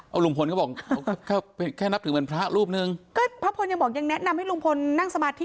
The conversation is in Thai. เอาลุงพลก็บอกแค่นับถึงเป็นพระรูปนึงก็พระพลยังบอกยังแนะนำให้ลุงพลนั่งสมาธิ